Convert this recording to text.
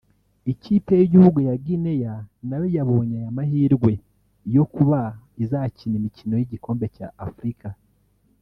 Ikipe y'igihugu ya Guinnea nayo yabonye aya mahirwe yo kuba izakina imikino y'igikombe cya Afurika